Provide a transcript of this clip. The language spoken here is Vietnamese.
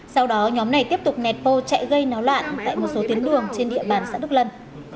sau đó nhóm này tiếp tục nẹt pô chạy gây náo loạn tại một số tuyến đường trên địa bàn xã đức lân